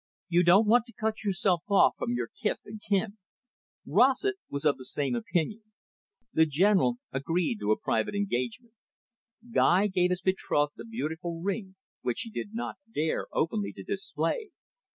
You don't want to cut yourself off from your kith and kin." Rossett was of the same opinion. The General agreed to a private engagement. Guy gave his betrothed a beautiful ring which she did not dare openly to display.